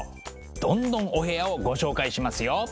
どんどんお部屋をご紹介しますよ。